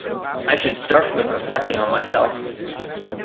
I should start with reflecting on myself.